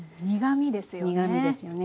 苦みですよね。